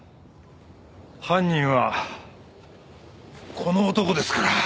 犯人はこの男ですから。